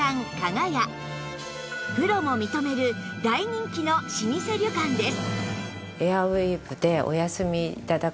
プロも認める大人気の老舗旅館です